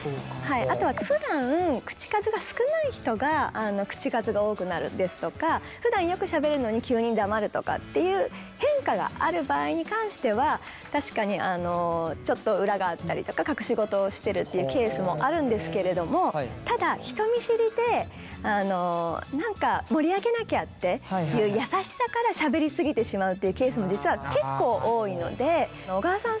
あとはふだん口数が少ない人が口数が多くなるですとかふだんよくしゃべるのに急に黙るとかっていう変化がある場合に関しては確かにちょっと裏があったりとか隠し事をしてるっていうケースもあるんですけれどもただ人見知りで何か盛り上げなきゃっていう優しさからしゃべり過ぎてしまうっていうケースも実は結構多いので小川さん